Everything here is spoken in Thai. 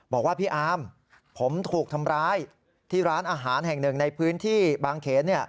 บอกว่าพี่อามผมถูกทำร้ายที่ร้านอาหารแห่งหนึ่งในพื้นที่บางเขน